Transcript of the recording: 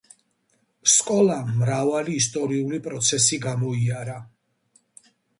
სკოლამ მრავალი ისტორიული პროცესი გამოიარა.